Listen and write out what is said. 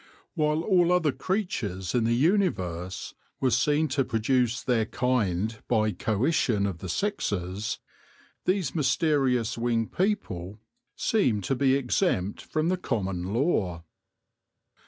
While all other crea tures in the universe were seen to produce their kind by coition of the sexes, these mysterious winged THE ANCIENTS AND THE HONEY BEE 5 people seemed to be exempt from the common law.